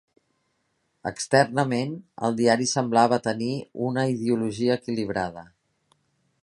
Externament, el diari semblava tenir una ideologia equilibrada.